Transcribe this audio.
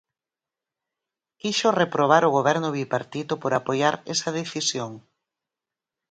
¿Quixo reprobar o Goberno bipartito por apoiar esa decisión?